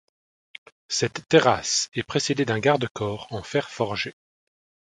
Cette terrasse est précédée d'un garde-corps en fer forgé.